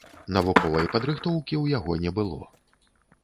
Навуковай падрыхтоўкі ў яго не было.